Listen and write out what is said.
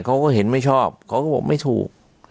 เขาก็เห็นไม่ชอบเขาก็บอกไม่ถูก